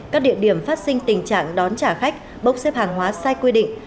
các địa điểm phát sinh tình trạng đón trả khách bốc xếp hàng hóa sai quy định